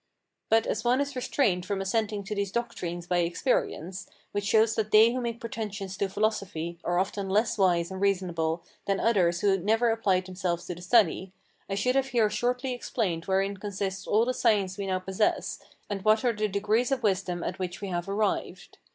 But as one is restrained from assenting to these doctrines by experience, which shows that they who make pretensions to philosophy are often less wise and reasonable than others who never applied themselves to the study, I should have here shortly explained wherein consists all the science we now possess, and what are the degrees of wisdom at which we have arrived.